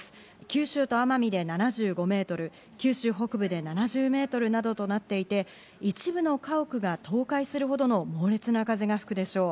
九州と奄美で７５メートル、九州北部で７０メートルなどとなっていて、一部の家屋が倒壊するほどの猛烈な風が吹くでしょう。